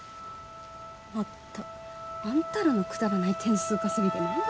まったくあんたらのくだらない点数稼ぎで何で私が。